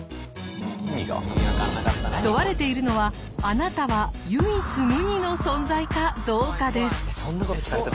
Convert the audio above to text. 問われているのはあなたは唯一無二の存在かどうかです。